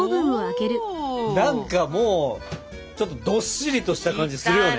何かもうちょっとどっしりとした感じするよね。